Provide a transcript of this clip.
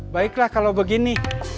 baiklah kalau begini